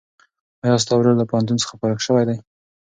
ایا ستا ورور له پوهنتون څخه فارغ شوی دی؟